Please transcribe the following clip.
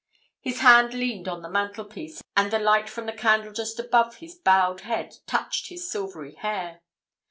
His hand leaned on the mantelpiece, and the light from the candle just above his bowed head touched his silvery hair.